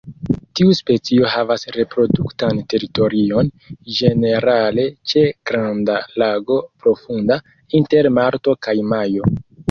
Tiu specio havas reproduktan teritorion, ĝenerale ĉe granda lago profunda, inter marto kaj majo.